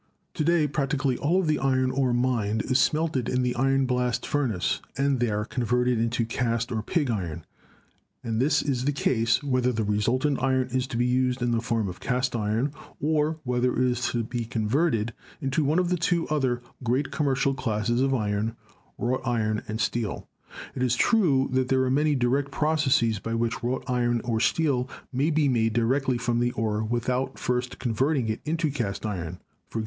To day practically all of the iron ore mined is smelted in the iron blast furnace and there converted into cast or pig iron ; and this is the case whether the resultant iron is to be used in the form of cast iron or whether it is to be converted into one of the two other great commercial classes of iron, wrought iron and steel. It is true that there are many direct processes by which wrought iron or steel may be made directly from the ore without first con verting it into cast iron — i.e.